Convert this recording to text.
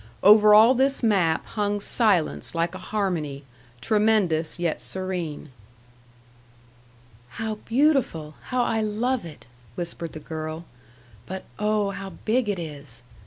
Over all this map hung silence like a harmony, tremendous yet serene. "How beautiful! how I love it!" whispered the girl. "But, oh, how big it is!"